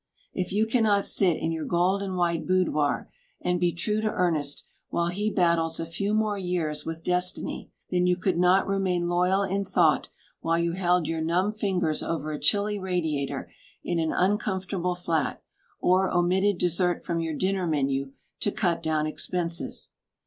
If you cannot sit in your gold and white boudoir, and be true to Ernest while he battles a few more years with destiny, then you could not remain loyal in thought while you held your numb fingers over a chilly radiator in an uncomfortable flat, or omitted dessert from your dinner menu to cut down expenses.